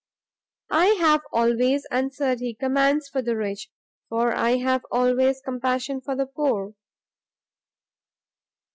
"I have always," answered he, "commands for the rich, for I have always compassion for the poor."